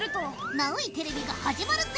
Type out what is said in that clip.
ナウいテレビが始まるぜ。